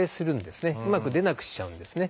うまく出なくしちゃうんですね。